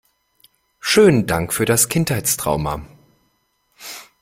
Schönen Dank für das Kindheitstrauma!